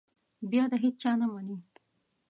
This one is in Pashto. بیا د هېچا نه مني.